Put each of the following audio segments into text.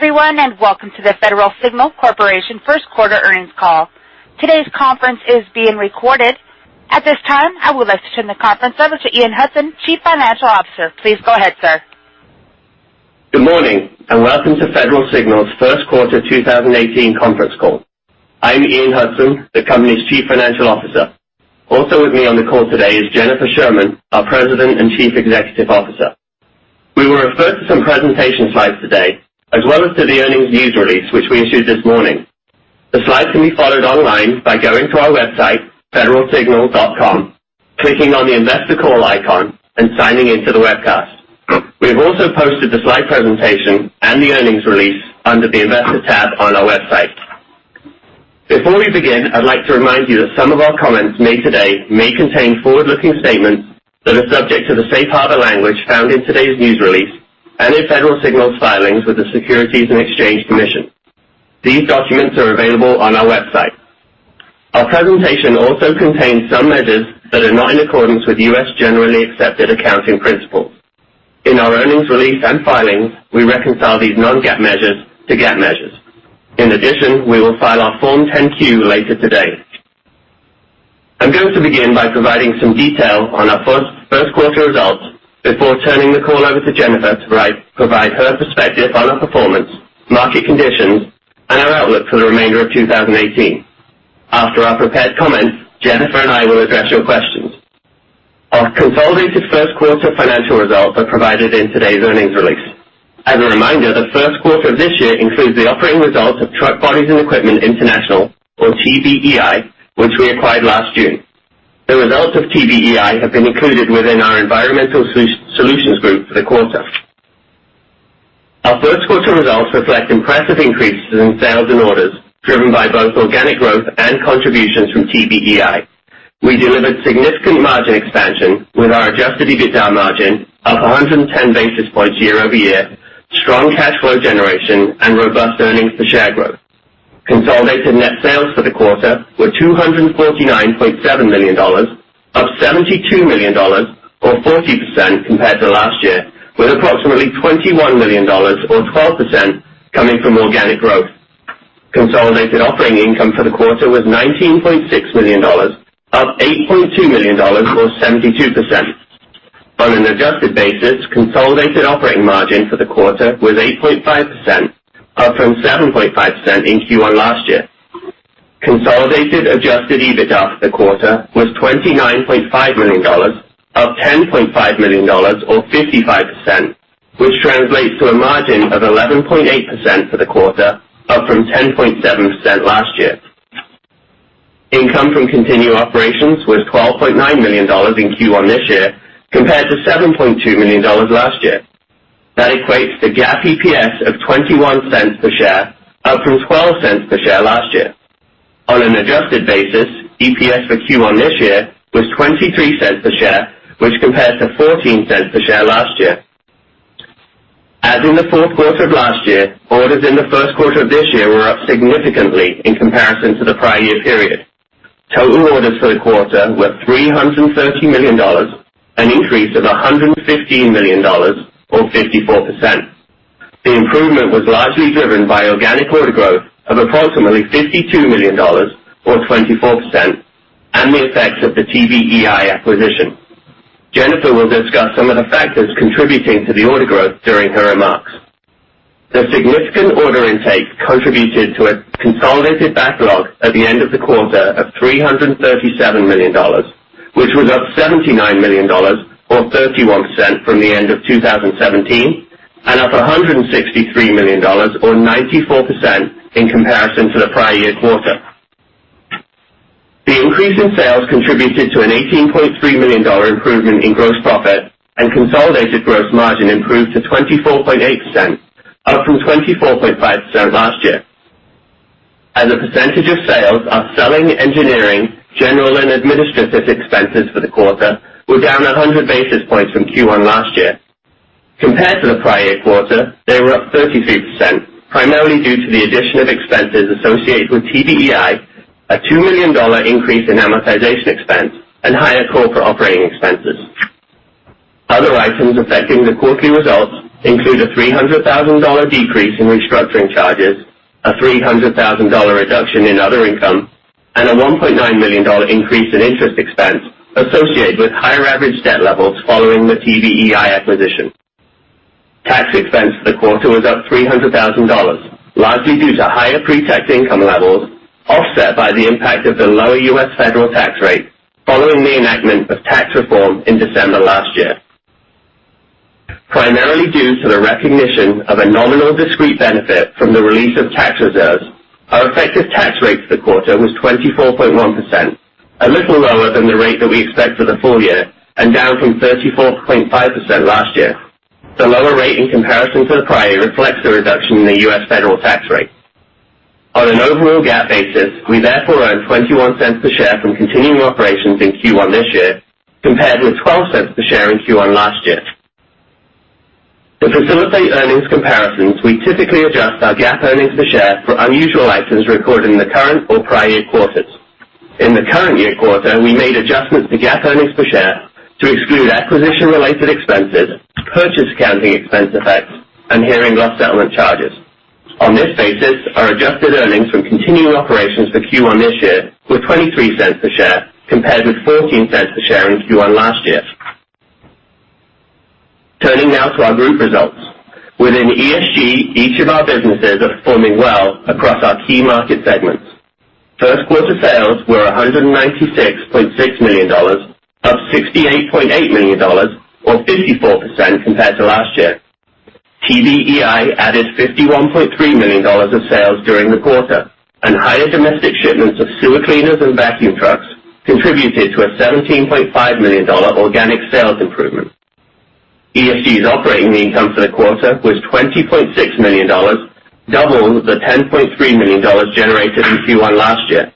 Everyone, welcome to the Federal Signal Corporation first quarter earnings call. Today's conference is being recorded. At this time, I would like to turn the conference over to Ian Hudson, Chief Financial Officer. Please go ahead, sir. Good morning, welcome to Federal Signal's first quarter 2018 conference call. I'm Ian Hudson, the company's Chief Financial Officer. Also with me on the call today is Jennifer Sherman, our President and Chief Executive Officer. We will refer to some presentation slides today, as well as to the earnings news release, which we issued this morning. The slides can be followed online by going to our website, federalsignal.com, clicking on the Investor Call icon, and signing in to the webcast. We've also posted the slide presentation and the earnings release under the Investor tab on our website. Before we begin, I'd like to remind you that some of our comments made today may contain forward-looking statements that are subject to the safe harbor language found in today's news release and in Federal Signal's filings with the Securities and Exchange Commission. These documents are available on our website. Our presentation also contains some measures that are not in accordance with U.S. Generally Accepted Accounting Principles. In our earnings release and filings, we reconcile these non-GAAP measures to GAAP measures. In addition, we will file our Form 10-Q later today. I'm going to begin by providing some detail on our first quarter results before turning the call over to Jennifer to provide her perspective on our performance, market conditions, and our outlook for the remainder of 2018. After our prepared comments, Jennifer and I will address your questions. Our consolidated first quarter financial results are provided in today's earnings release. As a reminder, the first quarter of this year includes the operating results of Truck Bodies and Equipment International, or TBEI, which we acquired last June. The results of TBEI have been included within our Environmental Solutions Group for the quarter. Our first quarter results reflect impressive increases in sales and orders, driven by both organic growth and contributions from TBEI. We delivered significant margin expansion with our adjusted EBITDA margin up 110 basis points year-over-year, strong cash flow generation, and robust earnings per share growth. Consolidated net sales for the quarter were $249.7 million, up $72 million or 40% compared to last year, with approximately $21 million or 12% coming from organic growth. Consolidated operating income for the quarter was $19.6 million, up $8.2 million or 72%. On an adjusted basis, consolidated operating margin for the quarter was 8.5%, up from 7.5% in Q1 last year. Consolidated adjusted EBITDA for the quarter was $29.5 million, up $10.5 million or 55%, which translates to a margin of 11.8% for the quarter, up from 10.7% last year. Income from continuing operations was $12.9 million in Q1 this year compared to $7.2 million last year. That equates to GAAP EPS of $0.21 per share, up from $0.12 per share last year. On an adjusted basis, EPS for Q1 this year was $0.23 per share, which compares to $0.14 per share last year. As in the fourth quarter of last year, orders in the first quarter of this year were up significantly in comparison to the prior year period. Total orders for the quarter were $330 million, an increase of $115 million or 54%. The improvement was largely driven by organic order growth of approximately $52 million or 24%, and the effects of the TBEI acquisition. Jennifer will discuss some of the factors contributing to the order growth during her remarks. The significant order intake contributed to a consolidated backlog at the end of the quarter of $337 million, which was up $79 million or 31% from the end of 2017, and up $163 million or 94% in comparison to the prior year quarter. The increase in sales contributed to an $18.3 million improvement in gross profit and consolidated gross margin improved to 24.8%, up from 24.5% last year. As a percentage of sales, our selling, engineering, general and administrative expenses for the quarter were down 100 basis points from Q1 last year. Compared to the prior year quarter, they were up 33%, primarily due to the addition of expenses associated with TBEI, a $2 million increase in amortization expense, and higher corporate operating expenses. Other items affecting the quarterly results include a $300,000 decrease in restructuring charges, a $300,000 reduction in other income, and a $1.9 million increase in interest expense associated with higher average debt levels following the TBEI acquisition. Tax expense for the quarter was up $300,000, largely due to higher pre-tax income levels, offset by the impact of the lower U.S. federal tax rate following the enactment of tax reform in December last year. Primarily due to the recognition of a nominal discrete benefit from the release of tax reserves, our effective tax rate for the quarter was 24.1%, a little lower than the rate that we expect for the full year and down from 34.5% last year. The lower rate in comparison to the prior year reflects the reduction in the U.S. federal tax rate. On an overall GAAP basis, we therefore earned $0.21 per share from continuing operations in Q1 this year, compared with $0.12 per share in Q1 last year. To facilitate earnings comparisons, we typically adjust our GAAP earnings per share for unusual items recorded in the current or prior year quarters. In the current year quarter, we made adjustments to GAAP earnings per share to exclude acquisition-related expenses, purchase accounting expense effects, and hearing loss settlement charges. On this basis, our adjusted earnings from continuing operations for Q1 this year were $0.23 per share compared with $0.14 per share in Q1 last year. Turning now to our group results. Within ESG, each of our businesses are performing well across our key market segments. First quarter sales were $196.6 million, up $68.6 million or 54% compared to last year. TBEI added $51.3 million of sales during the quarter. Higher domestic shipments of sewer cleaners and vacuum trucks contributed to a $17.5 million organic sales improvement. ESG's operating income for the quarter was $20.6 million, double the $10.3 million generated in Q1 last year.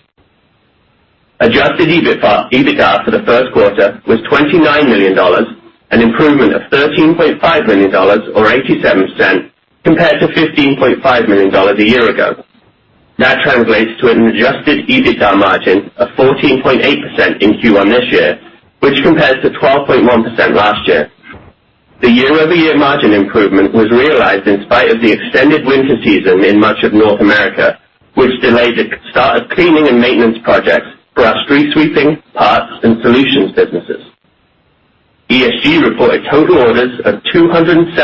Adjusted EBITDA for the first quarter was $29 million, an improvement of $13.5 million or 87% compared to $15.5 million a year ago. That translates to an adjusted EBITDA margin of 14.8% in Q1 this year, which compares to 12.1% last year. The year-over-year margin improvement was realized in spite of the extended winter season in much of North America, which delayed the start of cleaning and maintenance projects for our street sweeping, parts, and solutions businesses. ESG reported total orders of $274.4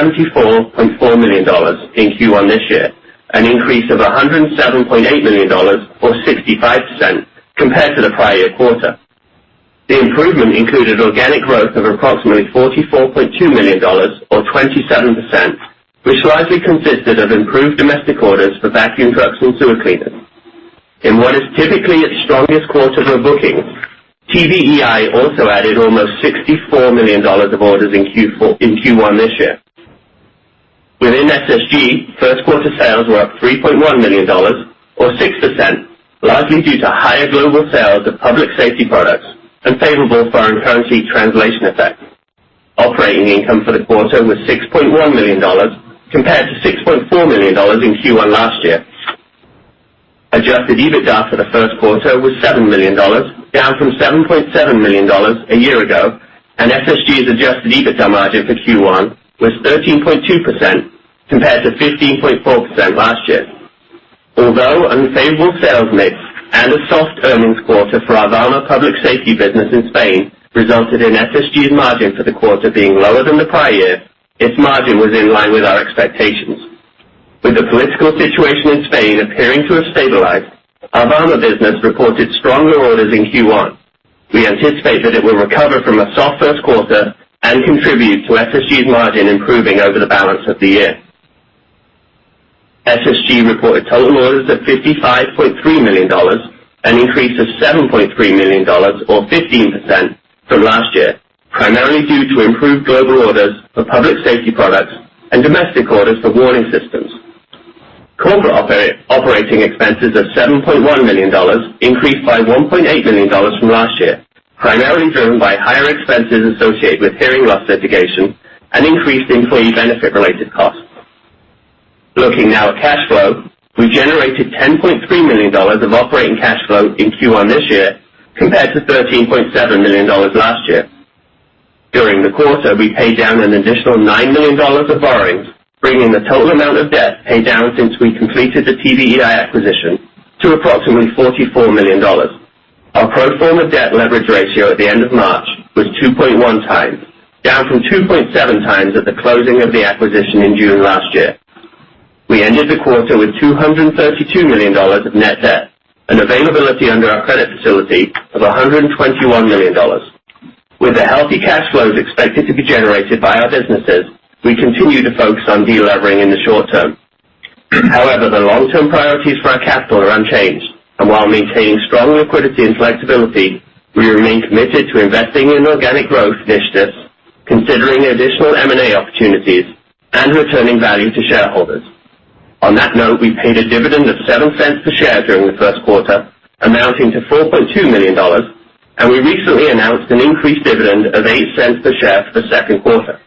million in Q1 this year, an increase of $107.8 million or 65% compared to the prior quarter. The improvement included organic growth of approximately $44.2 million or 27%, which largely consisted of improved domestic orders for vacuum trucks and sewer cleaners. In what is typically its strongest quarter for bookings, TBEI also added almost $64 million of orders in Q1 this year. Within SSG, first quarter sales were up $3.1 million or 6%, largely due to higher global sales of public safety products and favorable foreign currency translation effect. Operating income for the quarter was $6.1 million, compared to $6.4 million in Q1 last year. Adjusted EBITDA for the first quarter was $7 million, down from $7.7 million a year ago. SSG's adjusted EBITDA margin for Q1 was 13.2% compared to 15.4% last year. Unfavorable sales mix and a soft earnings quarter for our Vama Public Safety business in Spain resulted in SSG's margin for the quarter being lower than the prior year, its margin was in line with our expectations. With the political situation in Spain appearing to have stabilized, our Vama business reported stronger orders in Q1. We anticipate that it will recover from a soft first quarter and contribute to SSG's margin improving over the balance of the year. SSG reported total orders of $55.3 million, an increase of $7.3 million or 15% from last year, primarily due to improved global orders for public safety products and domestic orders for warning systems. Corporate operating expenses of $7.1 million increased by $1.8 million from last year, primarily driven by higher expenses associated with hearing loss litigation and increased employee benefit related costs. Looking now at cash flow, we generated $10.3 million of operating cash flow in Q1 this year, compared to $13.7 million last year. During the quarter, we paid down an additional $9 million of borrowings, bringing the total amount of debt paid down since we completed the TBEI acquisition to approximately $44 million. Our pro forma debt leverage ratio at the end of March was 2.1 times, down from 2.7 times at the closing of the acquisition in June last year. We ended the quarter with $232 million of net debt, an availability under our credit facility of $121 million. With the healthy cash flows expected to be generated by our businesses, we continue to focus on de-levering in the short term. However, the long-term priorities for our capital are unchanged, and while maintaining strong liquidity and flexibility, we remain committed to investing in organic growth initiatives, considering additional M&A opportunities, and returning value to shareholders. On that note, we paid a dividend of $0.07 per share during the first quarter, amounting to $4.2 million, and we recently announced an increased dividend of $0.08 per share for the second quarter.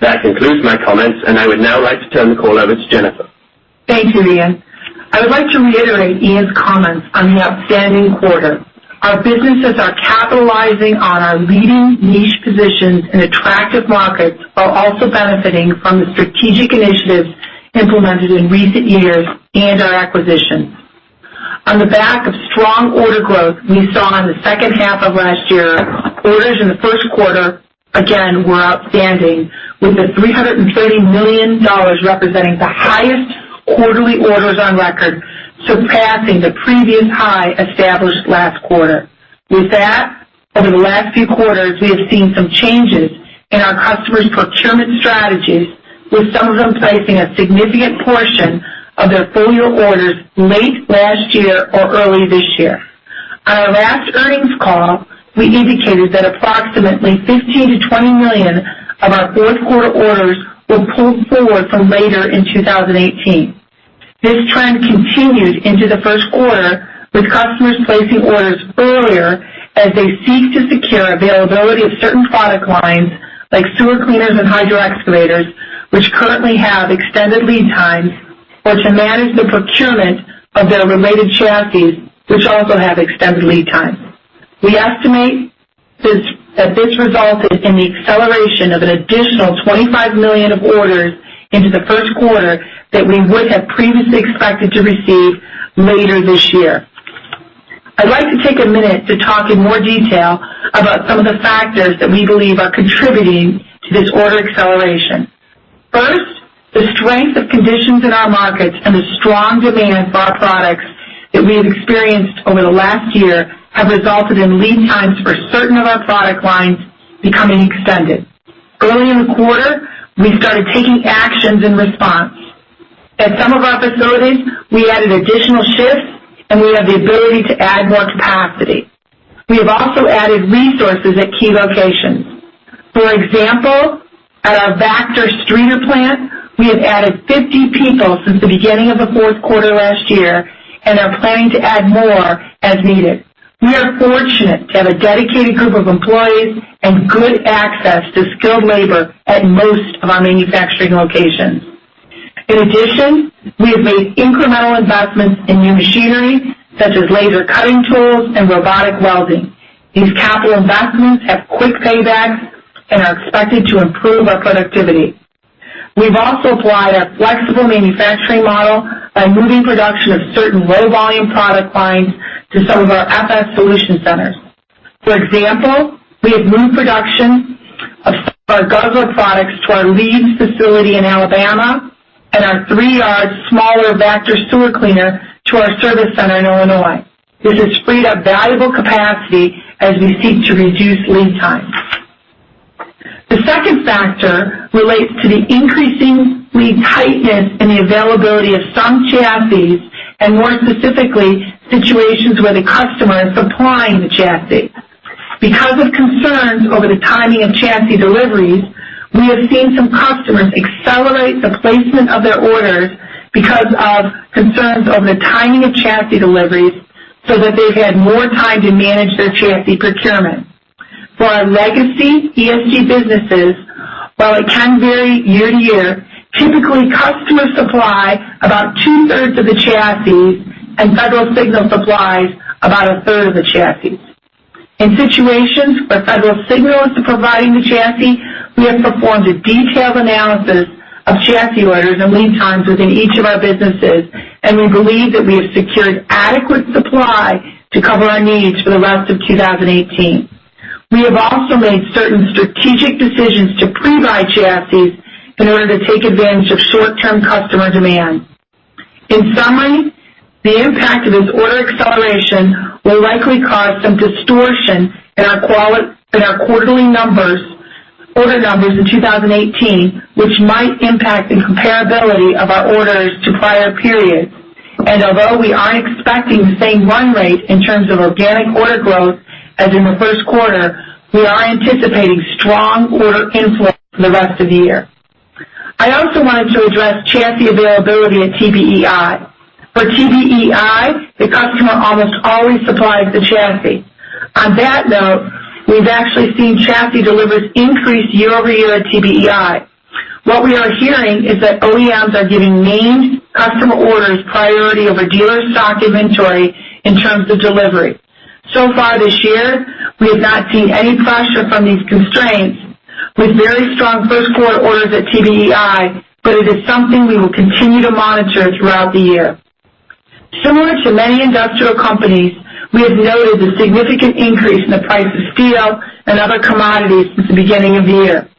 That concludes my comments, and I would now like to turn the call over to Jennifer. Thank you, Ian. I would like to reiterate Ian's comments on the outstanding quarter. Our businesses are capitalizing on our leading niche positions in attractive markets, while also benefiting from the strategic initiatives implemented in recent years and our acquisitions. On the back of strong order growth we saw in the second half of last year, orders in the first quarter again were outstanding, with the $330 million representing the highest quarterly orders on record, surpassing the previous high established last quarter. With that, over the last few quarters, we have seen some changes in our customers' procurement strategies, with some of them placing a significant portion of their full-year orders late last year or early this year. On our last earnings call, we indicated that approximately $15 million-$20 million of our fourth quarter orders were pulled forward from later in 2018. This trend continued into the first quarter, with customers placing orders earlier as they seek to secure availability of certain product lines like sewer cleaners and hydro excavators, which currently have extended lead times or to manage the procurement of their related chassis, which also have extended lead times. We estimate that this resulted in the acceleration of an additional $25 million of orders into the first quarter that we would have previously expected to receive later this year. I'd like to take a minute to talk in more detail about some of the factors that we believe are contributing to this order acceleration. First, the strength of conditions in our markets and the strong demand for our products that we have experienced over the last year have resulted in lead times for certain of our product lines becoming extended. Early in the quarter, we started taking actions in response. At some of our facilities, we added additional shifts, and we have the ability to add more capacity. We have also added resources at key locations. For example, at our Baxter Street plant, we have added 50 people since the beginning of the fourth quarter last year and are planning to add more as needed. We are fortunate to have a dedicated group of employees and good access to skilled labor at most of our manufacturing locations. In addition, we have made incremental investments in new machinery such as laser cutting tools and robotic welding. These capital investments have quick paybacks and are expected to improve our productivity. We've also applied our flexible manufacturing model by moving production of certain low-volume product lines to some of our FS Solutions centers. For example, we have moved production of our Guzzler products to our Leeds facility in Alabama and our 3 yard smaller Vactor sewer cleaner to our service center in Illinois. This has freed up valuable capacity as we seek to reduce lead times. The second factor relates to the increasing lead tightness in the availability of some chassis, and more specifically, situations where the customer is supplying the chassis. Because of concerns over the timing of chassis deliveries, we have seen some customers accelerate the placement of their orders because of concerns over the timing of chassis deliveries so that they've had more time to manage their chassis procurement. For our legacy ESG businesses, while it can vary year-to-year, typically, customers supply about two-thirds of the chassis, and Federal Signal supplies about a third of the chassis. In situations where Federal Signal is providing the chassis, we have performed a detailed analysis of chassis orders and lead times within each of our businesses, and we believe that we have secured adequate supply to cover our needs for the rest of 2018. We have also made certain strategic decisions to pre-buy chassis in order to take advantage of short-term customer demand. In summary, the impact of this order acceleration will likely cause some distortion in our quarterly order numbers in 2018, which might impact the comparability of our orders to prior periods. Although we aren't expecting the same run rate in terms of organic order growth as in the first quarter, we are anticipating strong order inflow for the rest of the year. I also wanted to address chassis availability at TBEI. For TBEI, the customer almost always supplies the chassis. On that note, we've actually seen chassis deliveries increase year-over-year at TBEI. What we are hearing is that OEMs are giving named customer orders priority over dealer stock inventory in terms of delivery. So far this year, we have not seen any pressure from these constraints with very strong first-quarter orders at TBEI, but it is something we will continue to monitor throughout the year. Similar to many industrial companies, we have noted a significant increase in the price of steel and other commodities since the beginning of the year.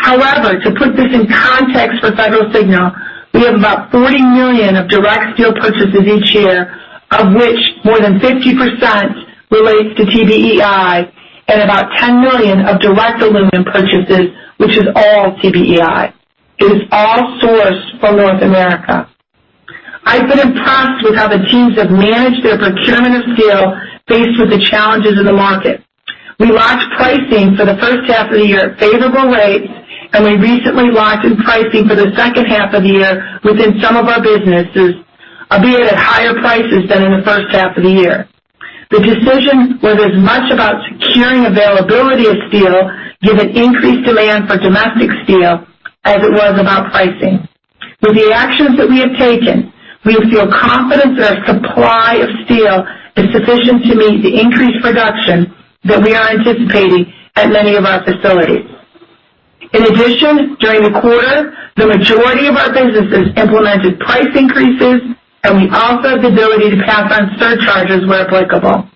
However, to put this in context for Federal Signal, we have about $40 million of direct steel purchases each year, of which more than 50% relates to TBEI and about $10 million of direct aluminum purchases, which is all TBEI. It is all sourced from North America. I've been impressed with how the teams have managed their procurement of steel faced with the challenges in the market. We locked pricing for the first half of the year at favorable rates, and we recently locked in pricing for the second half of the year within some of our businesses, albeit at higher prices than in the first half of the year. The decision was as much about securing availability of steel given increased demand for domestic steel as it was about pricing. With the actions that we have taken, we feel confident that our supply of steel is sufficient to meet the increased production that we are anticipating at many of our facilities. In addition, during the quarter, the majority of our businesses implemented price increases, and we also have the ability to pass on surcharges where applicable.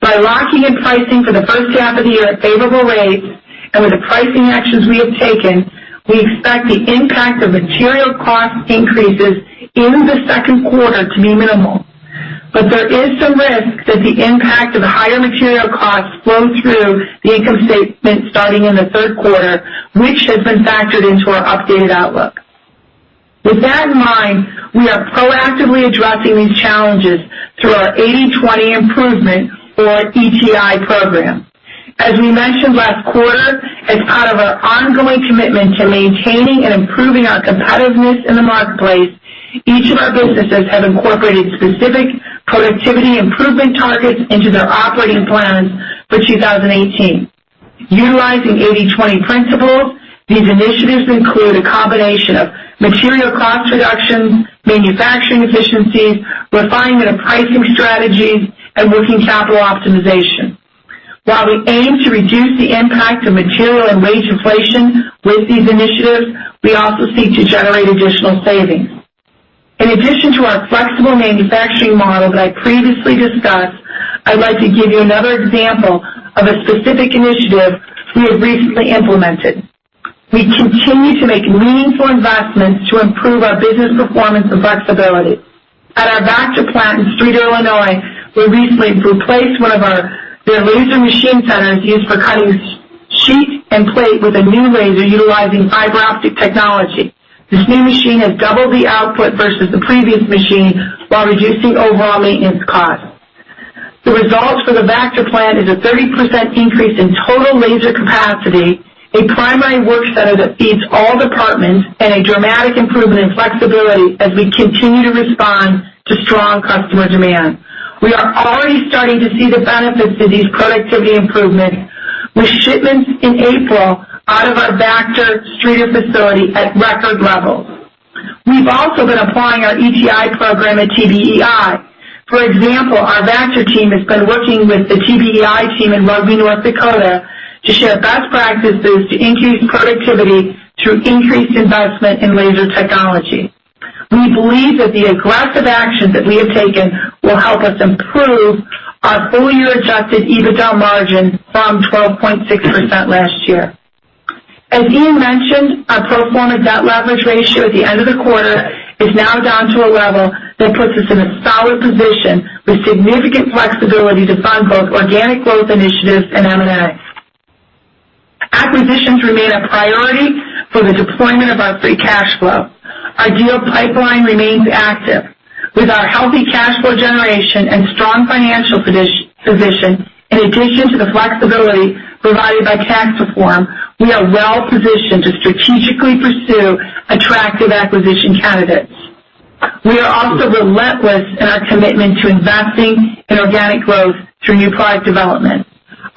By locking in pricing for the first half of the year at favorable rates and with the pricing actions we have taken, we expect the impact of material cost increases in the second quarter to be minimal. There is some risk that the impact of higher material costs flow through the income statement starting in the third quarter, which has been factored into our updated outlook. With that in mind, we are proactively addressing these challenges through our 80/20 improvement or ETI program. As we mentioned last quarter, as part of our ongoing commitment to maintaining and improving our competitiveness in the marketplace, each of our businesses have incorporated specific productivity improvement targets into their operating plans for 2018. Utilizing 80/20 principles, these initiatives include a combination of material cost reductions, manufacturing efficiencies, refinement of pricing strategies, and working capital optimization. While we aim to reduce the impact of material and wage inflation with these initiatives, we also seek to generate additional savings. In addition to our flexible manufacturing model that I previously discussed, I'd like to give you another example of a specific initiative we have recently implemented. We continue to make meaningful investments to improve our business performance and flexibility. At our Vactor plant in Streator, Illinois, we recently replaced one of our laser machine centers used for cutting sheet and plate with a new laser utilizing fiber optic technology. This new machine has doubled the output versus the previous machine while reducing overall maintenance costs. The results for the Vactor plant is a 30% increase in total laser capacity, a primary work center that feeds all departments, and a dramatic improvement in flexibility as we continue to respond to strong customer demand. We are already starting to see the benefits of these productivity improvements with shipments in April out of our Vactor Streator facility at record levels. We've also been applying our ETI program at TBEI. For example, our Vactor team has been working with the TBEI team in Rugby, North Dakota, to share best practices to increase productivity through increased investment in laser technology. We believe that the aggressive actions that we have taken will help us improve our full-year adjusted EBITDA margin from 12.6% last year. As Ian mentioned, our pro forma debt leverage ratio at the end of the quarter is now down to a level that puts us in a solid position with significant flexibility to fund both organic growth initiatives and M&As. Acquisitions remain a priority for the deployment of our free cash flow. Our deal pipeline remains active. With our healthy cash flow generation and strong financial position, in addition to the flexibility provided by tax reform, we are well-positioned to strategically pursue attractive acquisition candidates. We are also relentless in our commitment to investing in organic growth through new product development.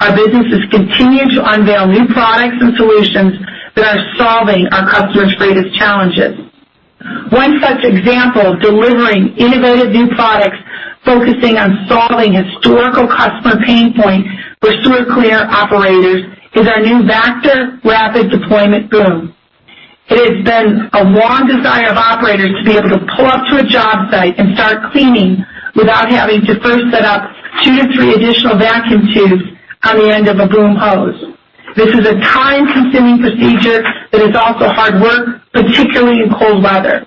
Our businesses continue to unveil new products and solutions that are solving our customers' greatest challenges. One such example of delivering innovative new products focusing on solving historical customer pain points for sewer cleaner operators is our new Vactor Rapid Deployment Boom. It has been a long desire of operators to be able to pull up to a job site and start cleaning without having to first set up two to three additional vacuum tubes on the end of a boom hose. This is a time-consuming procedure that is also hard work, particularly in cold weather.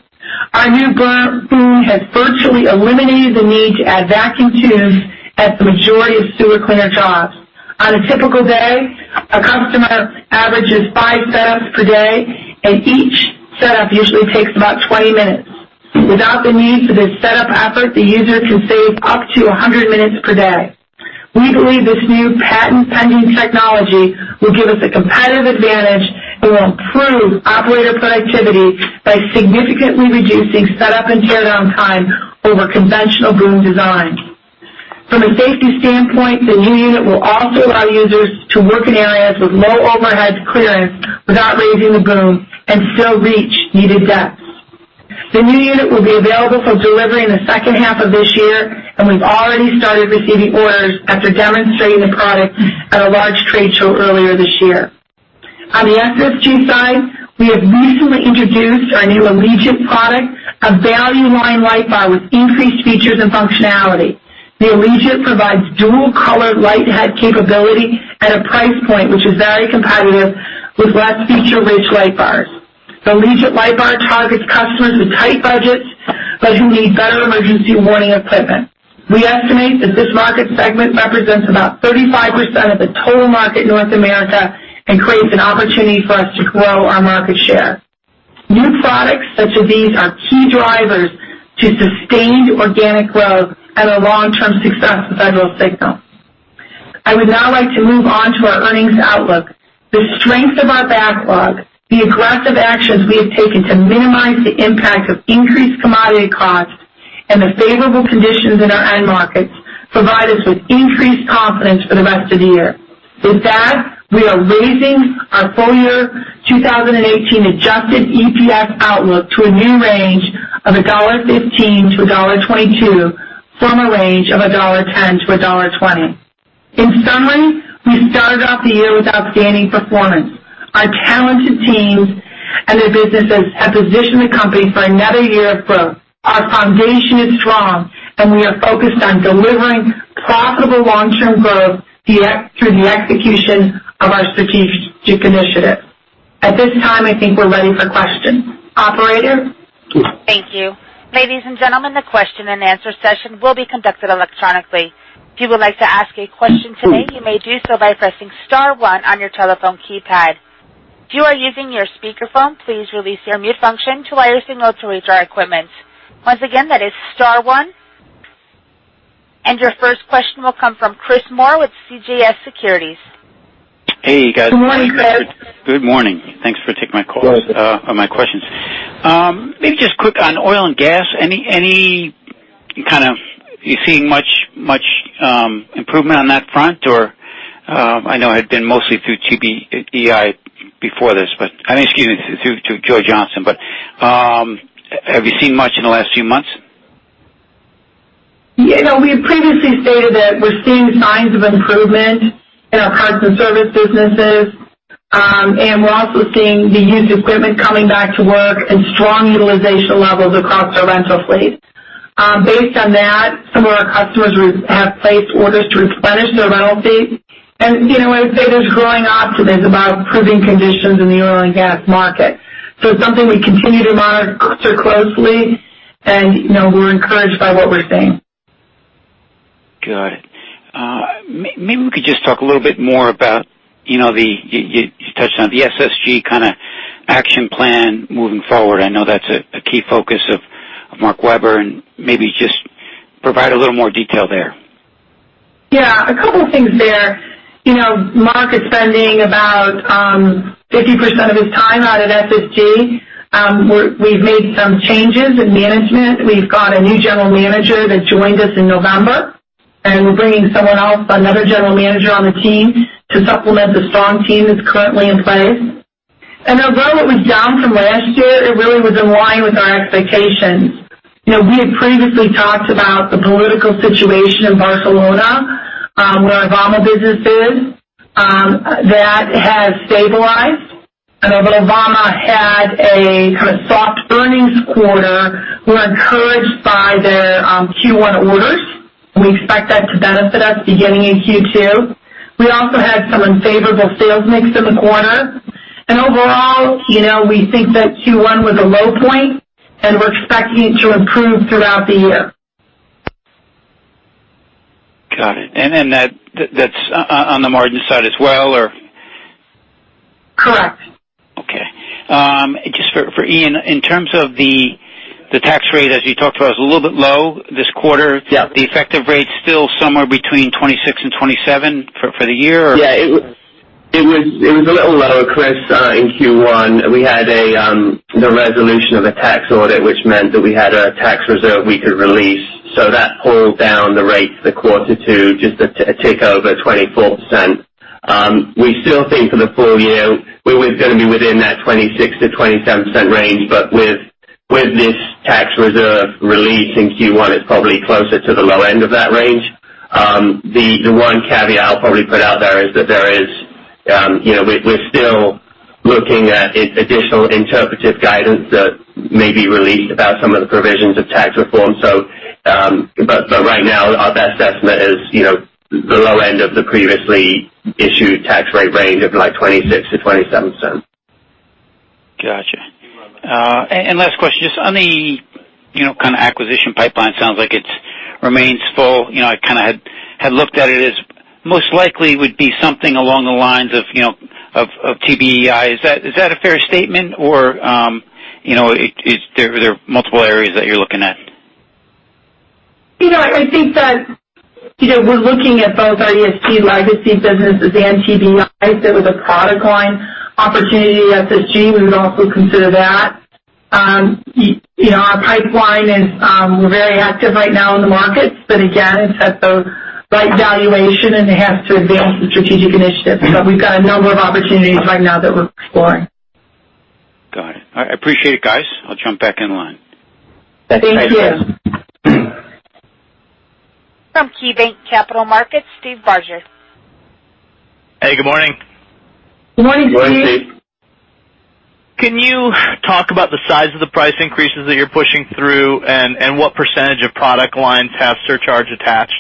Our new boom has virtually eliminated the need to add vacuum tubes at the majority of sewer cleaner jobs. On a typical day, a customer averages five setups per day, and each setup usually takes about 20 minutes. Without the need for this setup effort, the user can save up to 100 minutes per day. We believe this new patent-pending technology will give us a competitive advantage and will improve operator productivity by significantly reducing setup and tear-down time over conventional boom design. From a safety standpoint, the new unit will also allow users to work in areas with low overhead clearance without raising the boom and still reach needed depths. The new unit will be available for delivery in the second half of this year, and we've already started receiving orders after demonstrating the product at a large trade show earlier this year. On the SSG side, we have recently introduced our new Allegiant product, a value-line light bar with increased features and functionality. The Allegiant provides dual-colored light head capability at a price point which is very competitive with less feature-rich light bars. The Allegiant light bar targets customers with tight budgets but who need better emergency warning equipment. We estimate that this market segment represents about 35% of the total market in North America and creates an opportunity for us to grow our market share. New products such as these are key drivers to sustained organic growth and our long-term success at Federal Signal. I would now like to move on to our earnings outlook. The strength of our backlog, the aggressive actions we have taken to minimize the impact of increased commodity costs, and the favorable conditions in our end markets provide us with increased confidence for the rest of the year. With that, we are raising our full-year 2018 adjusted EPS outlook to a new range of $1.15-$1.22 from a range of $1.10-$1.20. In summary, we started off the year with outstanding performance. Our talented teams and their businesses have positioned the company for another year of growth. Our foundation is strong, and we are focused on delivering profitable long-term growth through the execution of our strategic initiatives. At this time, I think we're ready for questions. Operator? Thank you. Ladies and gentlemen, the question-and-answer session will be conducted electronically. If you would like to ask a question today, you may do so by pressing star one on your telephone keypad. If you are using your speakerphone, please release your mute function to allow your signal to reach our equipment. Once again, that is star one. Your first question will come from Chris Moore with CJS Securities. Hey, you guys. Good morning, Chris. Good morning. Thanks for taking my call or my questions. Maybe just quick on oil and gas. Any Are you seeing much improvement on that front? I know it had been mostly through TBEI before this, excuse me, through Joe Johnson, but have you seen much in the last few months? Yeah. We had previously stated that we're seeing signs of improvement in our parts and service businesses, and we're also seeing the used equipment coming back to work and strong utilization levels across our rental fleet. Based on that, some of our customers have placed orders to replenish their rental fleet, and there's growing optimism about improving conditions in the oil and gas market. It's something we continue to monitor closely, and we're encouraged by what we're seeing. Got it. Maybe we could just talk a little bit more about, you touched on the SSG kind of action plan moving forward. I know that's a key focus of Mark Weber. Maybe just provide a little more detail there. Yeah. A couple of things there. Mark is spending about 50% of his time out at SSG. We've made some changes in management. We've got a new general manager that joined us in November, and we're bringing someone else, another general manager on the team, to supplement the strong team that's currently in place. Although it was down from last year, it really was in line with our expectations. We had previously talked about the political situation in Barcelona, where our Vama business is. That has stabilized, and although Vama had a kind of soft earnings quarter, we're encouraged by their Q1 orders. We expect that to benefit us beginning in Q2. We also had some unfavorable sales mix in the quarter. Overall, we think that Q1 was a low point, and we're expecting it to improve throughout the year. Got it. That's on the margin side as well, or? Correct. Just for Ian, in terms of the tax rate, as you talked about, it was a little bit low this quarter. Yeah. The effective rate's still somewhere between 26 and 27 for the year, or? It was a little lower, Chris. In Q1, we had the resolution of a tax audit, which meant that we had a tax reserve we could release. That pulled down the rates for Q2, just a tick over 24%. We still think for the full year we were going to be within that 26%-27% range. With this tax reserve release in Q1, it's probably closer to the low end of that range. The one caveat I'll probably put out there is that we're still looking at additional interpretive guidance that may be released about some of the provisions of tax reform. Right now, our best estimate is the low end of the previously issued tax rate range of like 26% to 27%. Got you. Last question, just on the kind of acquisition pipeline, sounds like it remains full. I kind of had looked at it as most likely would be something along the lines of TBEI. Is that a fair statement, or are there multiple areas that you're looking at? I think that we're looking at both our ESG legacy businesses and TBEI. If there was a product line opportunity at SSG, we would also consider that. Our pipeline is we're very active right now in the markets, but again, it's at the right valuation, and it has to advance the strategic initiative. We've got a number of opportunities right now that we're exploring. Got it. All right. I appreciate it, guys. I'll jump back in line. Thank you. Thanks, Chris. From KeyBanc Capital Markets, Steve Barger. Hey, good morning. Good morning, Steve. Morning, Steve. Can you talk about the size of the price increases that you're pushing through and what % of product lines have surcharge attached?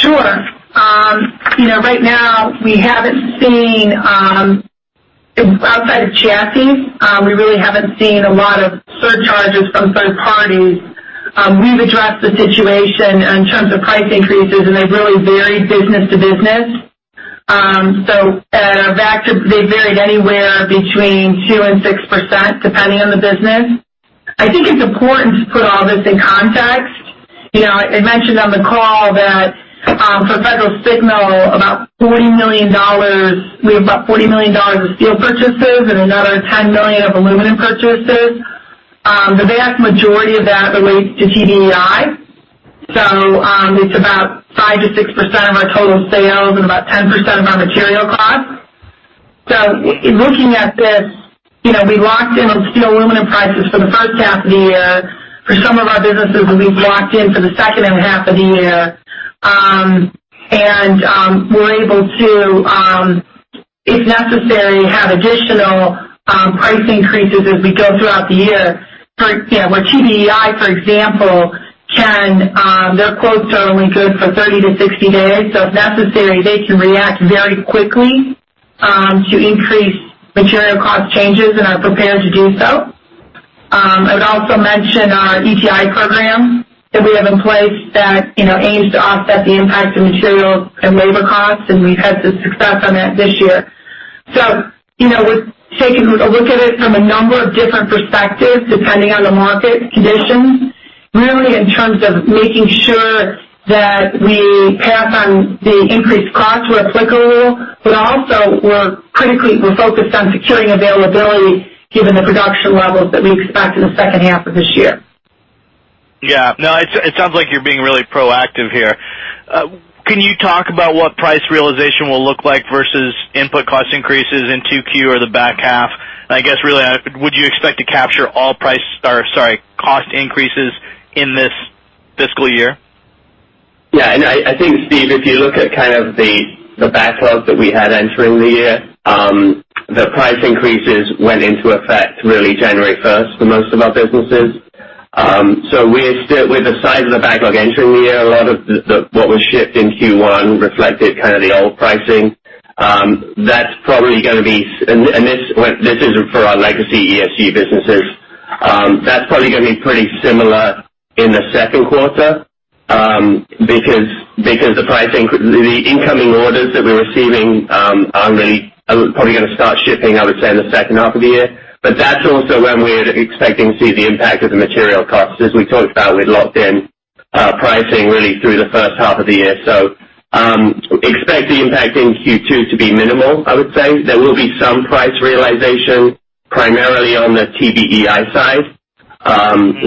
Sure. Right now, outside of Jaffe, we really haven't seen a lot of surcharges from third parties. We've addressed the situation in terms of price increases. They've really varied business to business. At our Vactor, they varied anywhere between 2%-6%, depending on the business. I think it's important to put all this in context. I mentioned on the call that for Federal Signal, we have about $40 million of steel purchases and another $10 million of aluminum purchases. The vast majority of that relates to TBEI. It's about 5%-6% of our total sales and about 10% of our material costs. In looking at this, we locked in on steel aluminum prices for the first half of the year. For some of our businesses, we've locked in for the second half of the year. We're able to, if necessary, have additional price increases as we go throughout the year. For TBEI, for example, their quotes are only good for 30 to 60 days. If necessary, they can react very quickly to increase material cost changes and are prepared to do so. I would also mention our ETI program that we have in place that aims to offset the impact of material and labor costs. We've had some success on that this year. We've taken a look at it from a number of different perspectives, depending on the market conditions, really in terms of making sure that we pass on the increased cost where applicable, but also we're focused on securing availability given the production levels that we expect in the second half of this year. Yeah. No, it sounds like you're being really proactive here. Can you talk about what price realization will look like versus input cost increases in 2Q or the back half? I guess, really, would you expect to capture all cost increases in this fiscal year? Yeah. I think, Steve, if you look at kind of the backlog that we had entering the year, the price increases went into effect really January 1st for most of our businesses. With the size of the backlog entering the year, a lot of what was shipped in Q1 reflected kind of the old pricing. This isn't for our legacy ESG businesses. That's probably going to be pretty similar in the second quarter, because the pricing for the incoming orders that we're receiving are probably going to start shipping, I would say, in the second half of the year. That's also when we're expecting to see the impact of the material costs. As we talked about, we'd locked in pricing really through the first half of the year. Expect the impact in Q2 to be minimal, I would say. There will be some price realization, primarily on the TBEI side,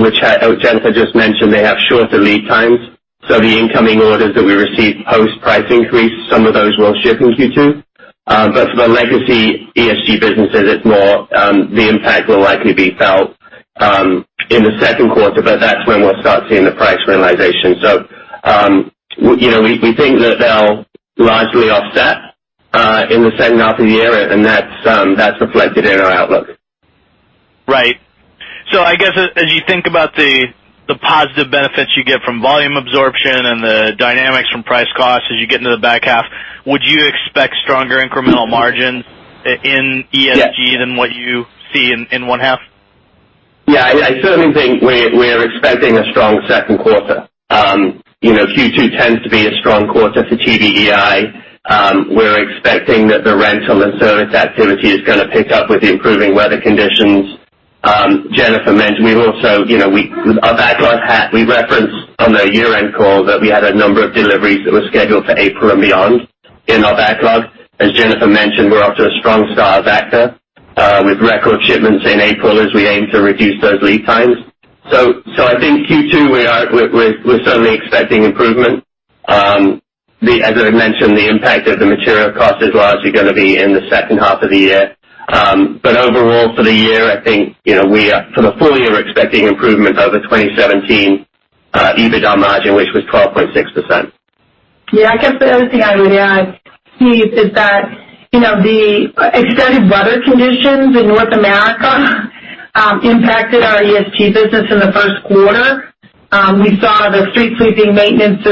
which Jennifer just mentioned. They have shorter lead times, the incoming orders that we receive post-price increase, some of those will ship in Q2. For the legacy ESG businesses, the impact will likely be felt in the second quarter, that's when we'll start seeing the price realization. We think that they'll largely offset in the second half of the year, and that's reflected in our outlook. Right. I guess as you think about the positive benefits you get from volume absorption and the dynamics from price costs as you get into the back half, would you expect stronger incremental margins in ESG- Yes than what you see in one half? I certainly think we're expecting a strong second quarter. Q2 tends to be a strong quarter for TBEI. We're expecting that the run rate on the service activity is going to pick up with the improving weather conditions. Jennifer mentioned our backlog. We referenced on the year-end call that we had a number of deliveries that were scheduled for April and beyond in our backlog. As Jennifer mentioned, we're off to a strong start at Vactor, with record shipments in April as we aim to reduce those lead times. I think Q2, we're certainly expecting improvement. As I mentioned, the impact of the material cost is largely going to be in the second half of the year. Overall for the year, I think for the full year, we're expecting improvement over 2017 EBITDA margin, which was 12.6%. I guess the other thing I would add, Steve, is that the extended weather conditions in North America impacted our ESG business in the first quarter. We saw the street sweeping maintenance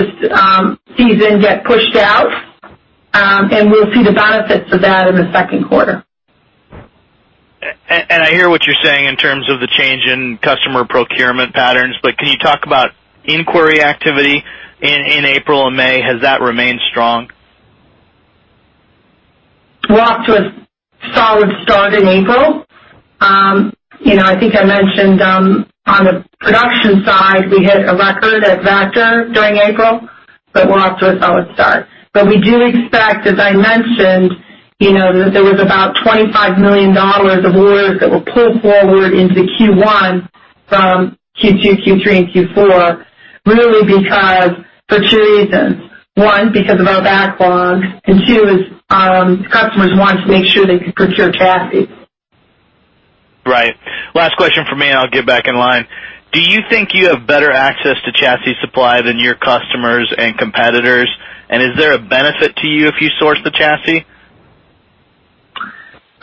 season get pushed out. We'll see the benefits of that in the second quarter. I hear what you're saying in terms of the change in customer procurement patterns, can you talk about inquiry activity in April and May? Has that remained strong? We're off to a solid start in April. I think I mentioned on the production side, we hit a record at Vactor during April. We're off to a solid start. We do expect, as I mentioned, that there was about $25 million of orders that were pulled forward into Q1 from Q2, Q3, and Q4, really for two reasons. One, because of our backlog, and two is customers wanting to make sure they could procure chassis. Right. Last question from me, and I'll get back in line. Do you think you have better access to chassis supply than your customers and competitors? Is there a benefit to you if you source the chassis?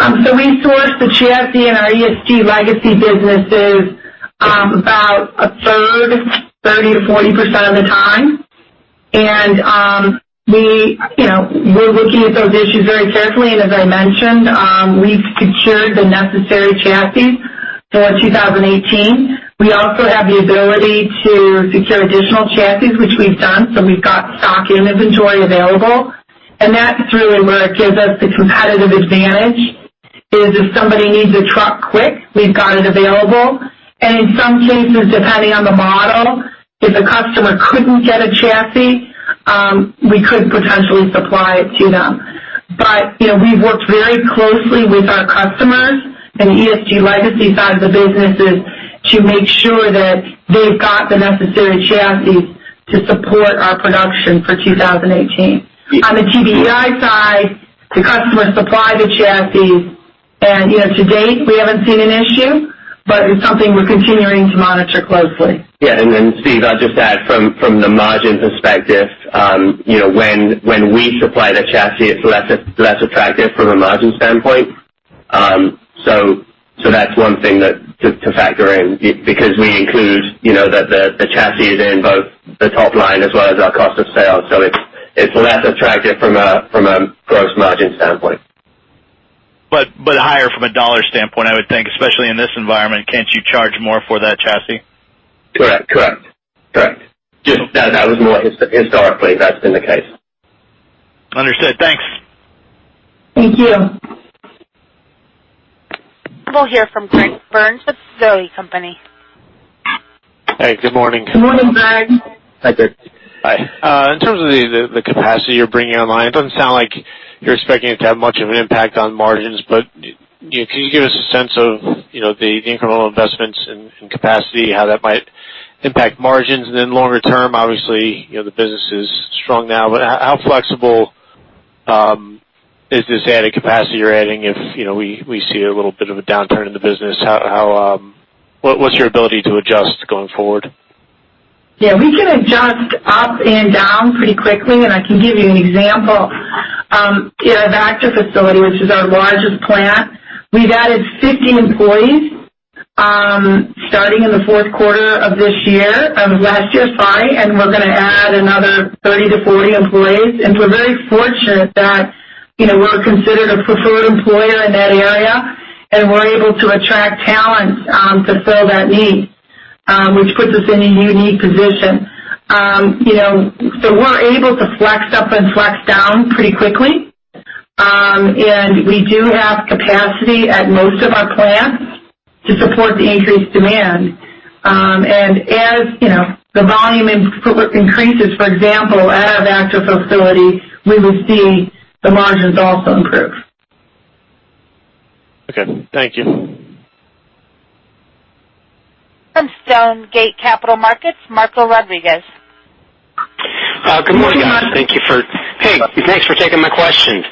We source the chassis in our ESG legacy businesses about a third, 30%-40% of the time. We're looking at those issues very carefully, and as I mentioned, we've secured the necessary chassis for 2018. We also have the ability to secure additional chassis, which we've done. We've got stock and inventory available. That's really where it gives us the competitive advantage, is if somebody needs a truck quick, we've got it available. In some cases, depending on the model, if a customer couldn't get a chassis, we could potentially supply it to them. We've worked very closely with our customers in the ESG legacy side of the businesses to make sure that they've got the necessary chassis to support our production for 2018. On the TBEI side, the customers supply the chassis, and to date, we haven't seen an issue, but it's something we're continuing to monitor closely. Yeah. Steve, I'll just add from the margin perspective, when we supply the chassis, it's less attractive from a margin standpoint. That's one thing to factor in, because we include the chassis in both the top line as well as our cost of sales. It's less attractive from a gross margin standpoint. Higher from a dollar standpoint, I would think, especially in this environment. Can't you charge more for that chassis? Correct. Just that was more historically that's been the case. Understood. Thanks. Thank you. We'll hear from Greg Burns with Sidoti & Company. Hey, good morning. Good morning, Greg. Hi, Greg. Hi. In terms of the capacity you're bringing online, it doesn't sound like you're expecting it to have much of an impact on margins. Can you give us a sense of the incremental investments in capacity, how that might impact margins? Longer term, obviously, the business is strong now, but how flexible is this added capacity you're adding if we see a little bit of a downturn in the business? What's your ability to adjust going forward? We can adjust up and down pretty quickly, and I can give you an example. In our Vactor facility, which is our largest plant, we've added 50 employees starting in the fourth quarter of last year, and we're going to add another 30 to 40 employees. We're very fortunate that we're considered a preferred employer in that area, and we're able to attract talent to fill that need, which puts us in a unique position. We're able to flex up and flex down pretty quickly. We do have capacity at most of our plants to support the increased demand. As the volume increases, for example, at our Vactor facility, we will see the margins also improve. Okay. Thank you. From Stonegate Capital Markets, Marco Rodriguez. Good morning, guys. Hey, thanks for taking my questions.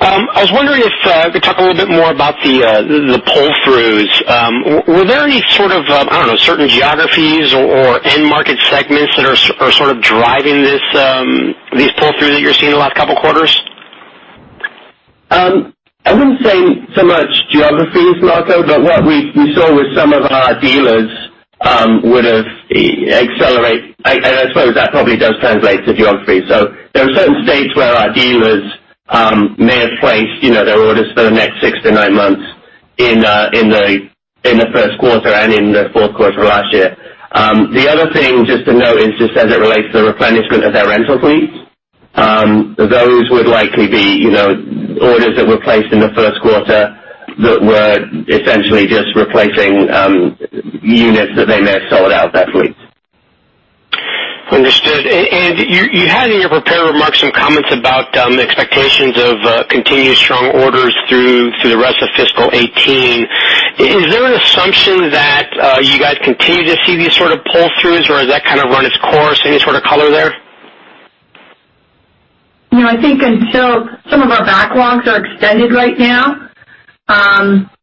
I was wondering if you could talk a little bit more about the pull-throughs. Were there any sort of, I don't know, certain geographies or end market segments that are sort of driving these pull-through that you're seeing the last couple of quarters? I wouldn't say so much geographies, Marco. What we saw was some of our dealers would have accelerated. I suppose that probably does translate to geography. There are certain states where our dealers may have placed their orders for the next six to nine months in the first quarter and in the fourth quarter of last year. The other thing just to note is just as it relates to the replenishment of their rental fleets. Those would likely be orders that were placed in the first quarter that were essentially just replacing units that they may have sold out of that fleet. Understood. You had in your prepared remarks some comments about the expectations of continued strong orders through the rest of fiscal 2018. Is there an assumption that you guys continue to see these sort of pull-throughs, or has that kind of run its course? Any sort of color there? No, I think some of our backlogs are extended right now.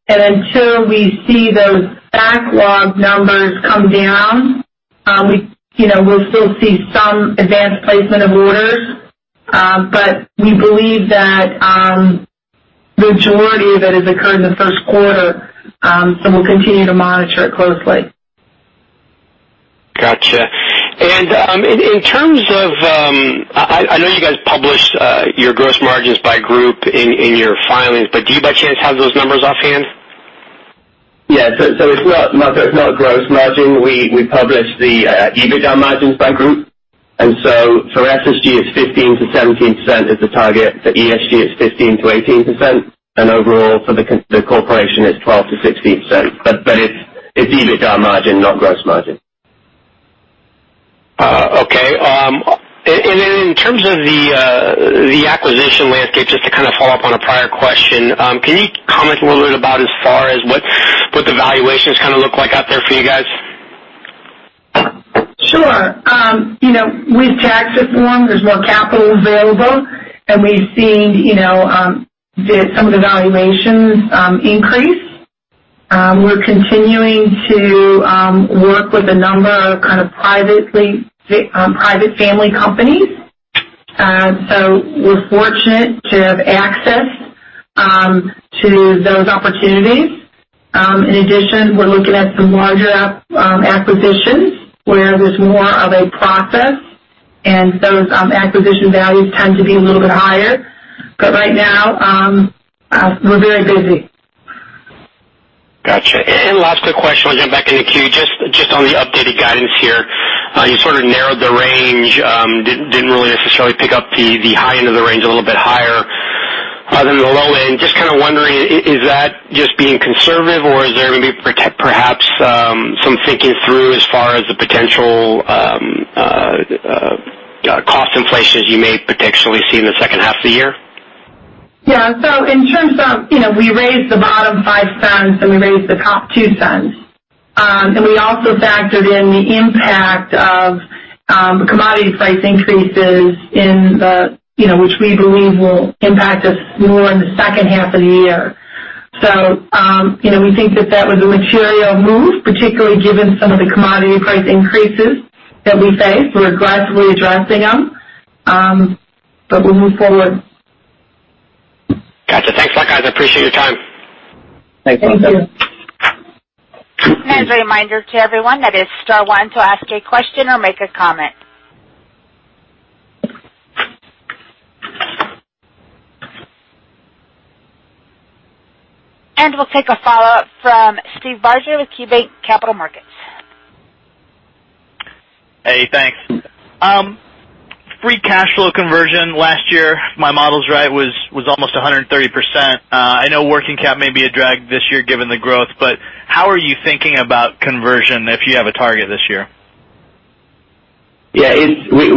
Until we see those backlog numbers come down, we'll still see some advanced placement of orders. We believe that majority of that has occurred in the first quarter. We'll continue to monitor it closely. Got you. I know you guys publish your gross margins by group in your filings, do you by chance have those numbers offhand? Yeah. It's not gross margin. We publish the EBITDA margins by group. For SSG, it's 15%-17% is the target. For ESG, it's 15%-18%, overall for the corporation, it's 12%-16%. It's EBITDA margin, not gross margin. Okay. In terms of the acquisition landscape, just to kind of follow up on a prior question, can you comment a little bit about as far as what the valuations kind of look like out there for you guys? Sure. With tax reform, there's more capital available, we've seen some of the valuations increase. We're continuing to work with a number of kind of private family companies. We're fortunate to have access to those opportunities. In addition, we're looking at some larger acquisitions where there's more of a process, those acquisition values tend to be a little bit higher. Right now, we're very busy. Got you. Last quick question, we'll jump back in the queue. Just on the updated guidance here. You sort of narrowed the range. Didn't really necessarily pick up the high end of the range a little bit higher other than the low end. Just kind of wondering, is that just being conservative, or is there going to be perhaps some thinking through as far as the potential cost inflations you may potentially see in the second half of the year? Yeah. In terms of we raised the bottom $0.05 and we raised the top $0.02. We also factored in the impact of commodity price increases which we believe will impact us more in the second half of the year. We think that that was a material move, particularly given some of the commodity price increases that we face. We're aggressively addressing them, but we'll move forward. Got you. Thanks a lot, guys. I appreciate your time. Thanks, Marco. Thank you. As a reminder to everyone, that is star one to ask a question or make a comment. We'll take a follow-up from Steve Barger with KeyBanc Capital Markets. Hey, thanks. Free cash flow conversion last year, if my model's right, was almost 130%. I know working cap may be a drag this year given the growth, how are you thinking about conversion if you have a target this year? Yeah. Steve, we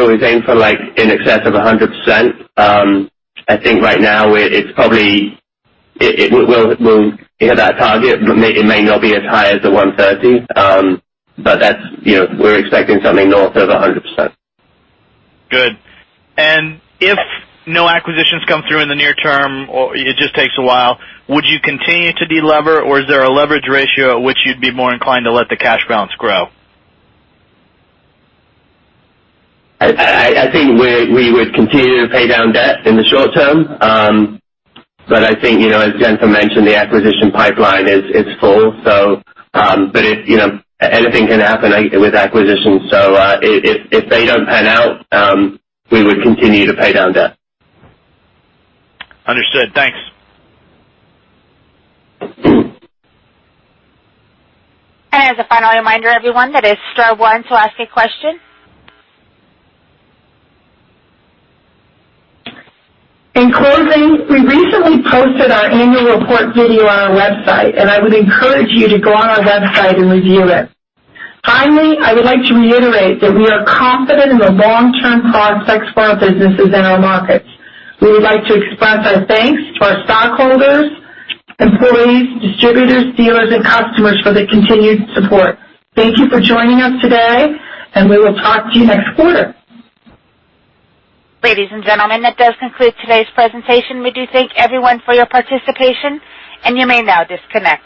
always aim for like in excess of 100%. I think right now we'll hit that target, it may not be as high as the 130. We're expecting something north of 100%. Good. If no acquisitions come through in the near term or it just takes a while, would you continue to delever, or is there a leverage ratio at which you'd be more inclined to let the cash balance grow? I think we would continue to pay down debt in the short term. I think, as Jennifer mentioned, the acquisition pipeline is full. Anything can happen with acquisitions. If they don't pan out, we would continue to pay down debt. Understood. Thanks. As a final reminder, everyone, that is star one to ask a question. In closing, we recently posted our annual report video on our website. I would encourage you to go on our website and review it. Finally, I would like to reiterate that we are confident in the long-term prospects for our businesses and our markets. We would like to express our thanks to our stockholders, employees, distributors, dealers, and customers for their continued support. Thank you for joining us today. We will talk to you next quarter. Ladies and gentlemen, that does conclude today's presentation. We do thank everyone for your participation. You may now disconnect.